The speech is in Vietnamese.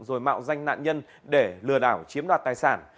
rồi mạo danh nạn nhân để lừa đảo chiếm đoạt tài sản